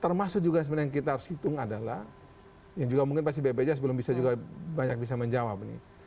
termasuk juga sebenarnya yang kita harus hitung adalah yang juga mungkin bpjs belum bisa banyak juga bisa menjawab nih